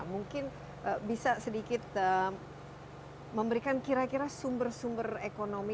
mungkin bisa sedikit memberikan kira kira sumber sumber ekonomi